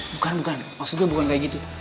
bukan bukan maksud gue bukan kayak gitu